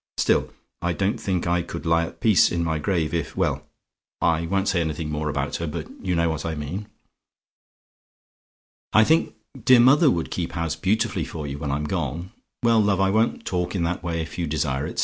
Still, I don't think I could lie at peace in my grave if well, I won't say anything more about her; but you know what I mean. "I think dear mother would keep house beautifully for you when I'm gone. Well, love, I won't talk in that way if you desire it.